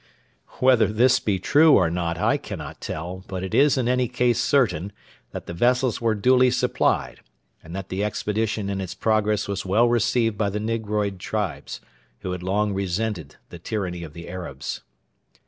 Whether this be true or not I cannot tell, but it is in any case certain that the vessels were duly supplied, and that the expedition in its progress was well received by the negroid tribes, who had long resented the tyranny of the Arabs.